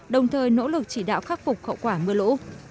đồng thời nỗ lực chỉ đạo khắc phục hậu quả mưa lũ